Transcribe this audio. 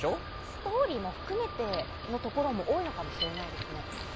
ストーリーも含めても多いのかもしれないですね。